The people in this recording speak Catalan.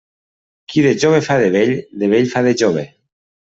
Qui de jove fa de vell, de vell fa de jove.